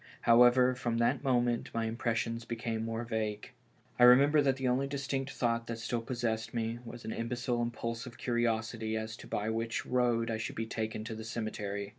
However, from that moment my impressions became more vague. I remember that the only distinct thought that still possessed me was an imbecile" impulsive curiosity as to by which road I should be taken to the cemetery.